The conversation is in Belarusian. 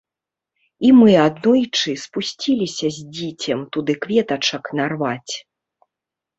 І мы аднойчы спусціліся з дзіцем туды кветачак нарваць.